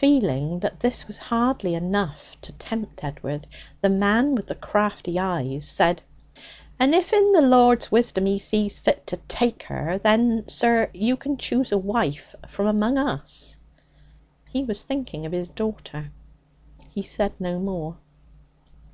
Feeling that this was hardly enough to tempt Edward, the man with the crafty eyes said: 'And if in the Lord's wisdom He sees fit to take her, then, sir, you can choose a wife from among us.' (He was thinking of his daughter.) He said no more.